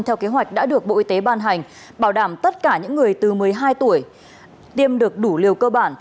theo kế hoạch đã được bộ y tế ban hành bảo đảm tất cả những người từ một mươi hai tuổi tiêm được đủ liều cơ bản